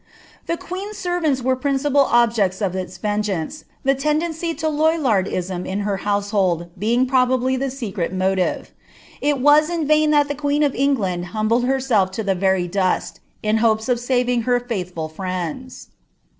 The niiH*! servanifl were the principal objects of its vengeance, the Imdencf ■> Lollardism in her household being probably the secret rooliTe. h Ml in vain that the queen of England humbled herself to the TajdlUt|)> hopes of saving her ^ihful friends.